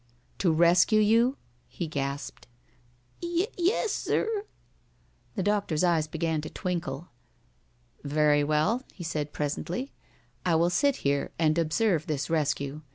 To rescue you?" he gasped. "Y yes, sir." The doctor's eyes began to twinkle. "Very well," he said presently. "I will sit here and observe this rescue.